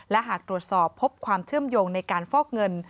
และหากตรวจสอบพบความเชื่อมโยงในการฟอกเงิน